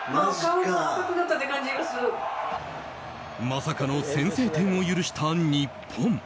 まさかの先制点を許した日本。